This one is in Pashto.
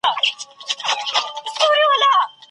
پښتو د یووالي نښه ده.